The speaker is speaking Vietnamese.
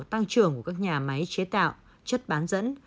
tăng trưởng của các nhà máy chế tạo chất bán dẫn